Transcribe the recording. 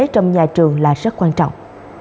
trong nhà trường là rất quan trọng